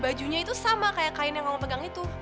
bajunya itu sama kayak kain yang kamu pegang itu